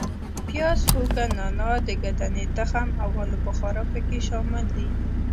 پیاز، هوګه، نانا، د ګدنې تخم او آلو بخارا په کې شامل دي.